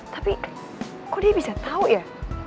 tapi kok dia bisa tahu ya